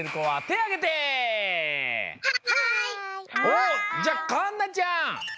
おっじゃあかんなちゃん！